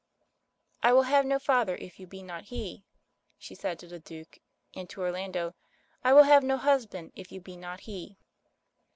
"I will have no father if you be not he," she said to the Duke and to Orlando, "I will have no husband if you be not he."